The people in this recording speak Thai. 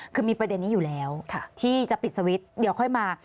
คือมีประเด็นนี้อยู่แล้วที่จะปิดสวิตช์เดี๋ยวค่อยมา